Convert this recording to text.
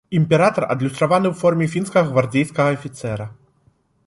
Імператар адлюстраваны ў форме фінскага гвардзейскага афіцэра.